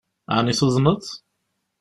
Ɛni tuḍneḍ?